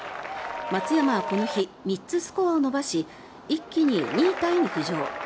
松山はこの日３つスコアを伸ばし一気に２位タイに浮上。